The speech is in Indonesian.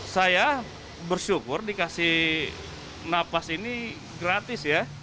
saya bersyukur dikasih napas ini gratis ya